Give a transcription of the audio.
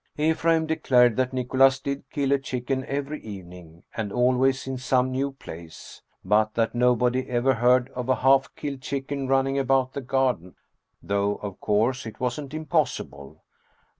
Ephraim declared that Nicholas did kill a chicken every evening, and always in some new place, but that nobody ever heard of a half killed chicken running about the gar den, though of course it wasn't impossible.